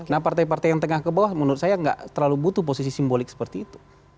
nah partai partai yang tengah ke bawah menurut saya nggak terlalu butuh posisi simbolik seperti itu